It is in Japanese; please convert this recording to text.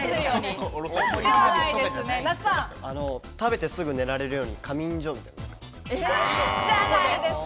食べてすぐ寝られるように仮眠所みたいな。